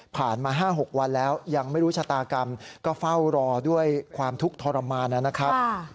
มา๕๖วันแล้วยังไม่รู้ชะตากรรมก็เฝ้ารอด้วยความทุกข์ทรมานนะครับ